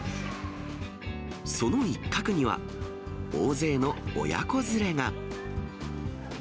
その一角には、大勢の親子連れが。